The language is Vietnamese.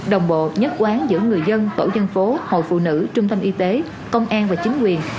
đồng bộ nhất quán giữa người dân tổ dân phố hội phụ nữ trung tâm y tế công an và chính quyền